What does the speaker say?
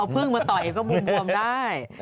เอาพื้งมาต่อเองก็บูมบวมได้